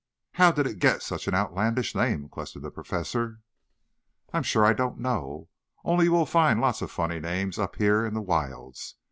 "How did it get such an outlandish name?" questioned the Professor. "I am sure I don't know. Oh, you will find lots of funny names up here in the wilds.